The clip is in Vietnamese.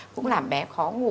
cũng làm bé khó ngủ